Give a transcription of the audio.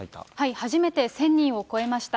初めて１０００人を超えました。